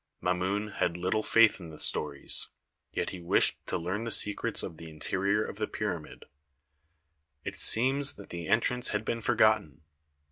Mamun had little faith in the stories, yet he wished to learn the secrets of the interior of the pyramid. It seems that the entrance had been forgotten.